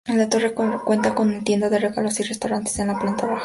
La torre cuenta con una tienda de regalos y restaurantes en la planta baja.